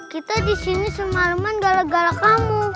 kita disini semalaman gala gala kamu